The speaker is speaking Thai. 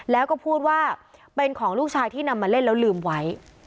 แล้วก็พูดว่าเป็นของลูกชายที่นำมาเล่นแล้วลืมไว้